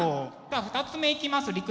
じゃあ２つ目いきます。